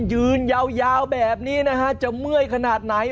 ยืนยาวแบบนี้นะฮะจะเมื่อยขนาดไหน